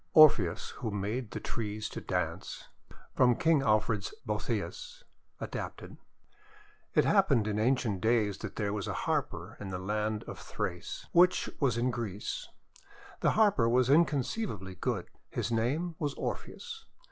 ORPHEUS WHO MADE THE TREES TO DANCE From King Alfred's Boethius (adapted) IT happened in ancient days that there was a Harper in the land of Thrace, which was in TREES MADE TO DANCE 321 Greece. The Harper was inconceivably good. His name was Orpheus.